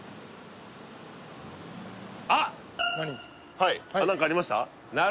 はい何かありました？